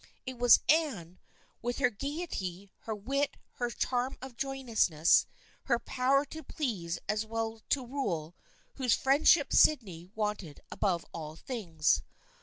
It was Anne, with her gaiety, her wit, her charm of joyousness, her power to please as well as to rule, whose friend ship Sydney wanted above all things.